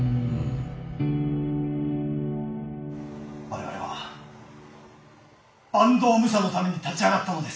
我々は坂東武者のために立ち上がったのです。